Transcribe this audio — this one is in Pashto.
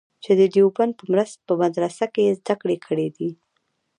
چې د دیوبند په مدرسه کې یې زده کړې کړې دي.